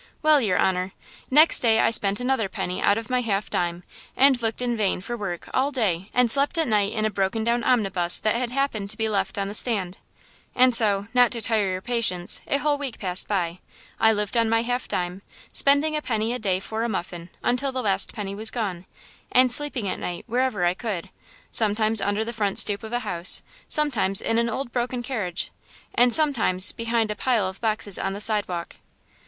"Well, your honor, next day I spent another penny out of my half dime and looked in vain for work all day and slept at night in a broken down omnibus that had happened to be left on the stand. And so, not to tire your patience, a whole week passed away. I lived on my half dime, spending a penny a day for a muffin, until the last penny was gone, and sleeping at night wherever I could–sometimes under the front stoop of a house, sometimes in an old broken carriage and sometimes behind a pile of boxes on the sidewalk."